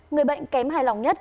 người bệnh kém hài lòng nhất